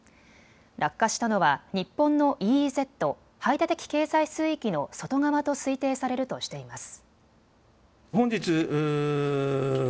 落下したのは日本のＥＥＺ・排他的経済水域の外側と推定されるとしています。